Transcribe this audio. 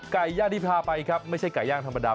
ไก่ย่างที่พาไปครับไม่ใช่ไก่ย่างธรรมดา